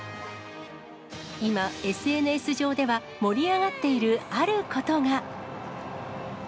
今、ＳＮＳ上では、盛り上がっているあることが。